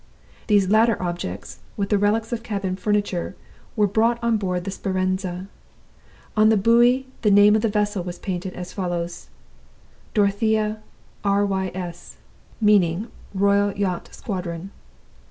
These latter objects, with the relics of cabin furniture, were brought on board the Speranza. On the buoy the name of the vessel was painted, as follows: "Dorothea, R. Y. S." (meaning Royal Yacht Squadron).